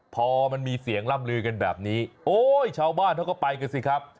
พอมันมีเสียงล่ำลือกันแบบนี้โอ้ยชาวบ้านเขาก็ไปกันสิครับ